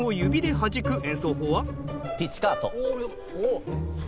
ピッチカート。